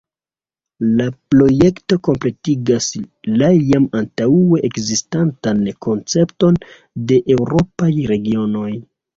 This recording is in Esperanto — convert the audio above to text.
La projekto kompletigas la jam antaŭe ekzistantan koncepton de eŭropaj regionoj.